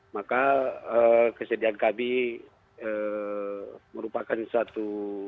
maka kesedihan kami merupakan suatu